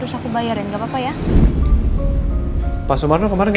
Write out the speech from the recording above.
smir sungguh kebaik